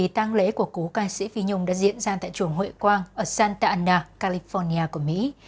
tăng lễ của cú ca sĩ phi nhung đã diễn ra tại chùa hội quang ở santa ana california của mỹ